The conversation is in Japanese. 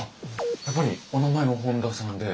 やっぱりお名前も本田さんで。